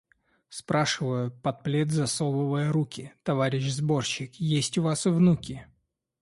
Спрашиваю, под плед засовывая руки: – Товарищ сборщик, есть у вас внуки?